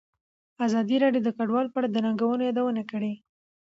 ازادي راډیو د کډوال په اړه د ننګونو یادونه کړې.